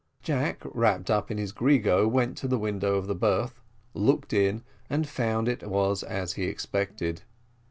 Jack, wrapped up in his grego, went to the window of the berth, looked in, and found it was as he expected.